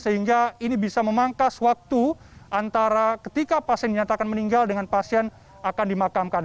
sehingga ini bisa memangkas waktu antara ketika pasien dinyatakan meninggal dengan pasien akan dimakamkan